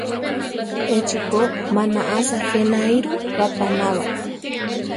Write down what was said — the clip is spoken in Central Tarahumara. Échi ko, má naʼása, je anéiru: rapaná ba.